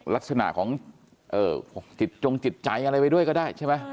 ลักษณะของจิตจงจิตใจอะไรไว้ด้วยก็ได้ใช่ไหม